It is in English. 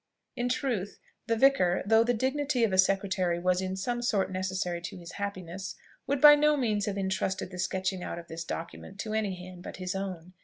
In truth, the vicar, though the dignity of a secretary was in some sort necessary to his happiness, would by no means have intrusted the sketching out of this document to any hand but his own.